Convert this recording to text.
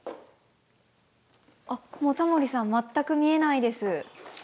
あっもうタモリさん全く見えないです。